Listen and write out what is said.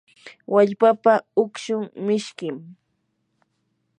wallpapa ukshun mishkim.